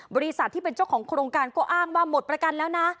บริษัทที่เป็นเจ้าของโครงการก็อ้างว่าหมดประกันแล้วนะ